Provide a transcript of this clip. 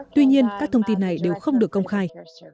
tuy nhiên các thông tin này đều không được công khai